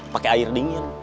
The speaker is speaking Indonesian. pake air dingin